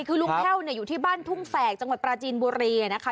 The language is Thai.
คือลุงแพ่วอยู่ที่บ้านทุ่งแฝกจังหวัดปราจีนบุรีนะคะ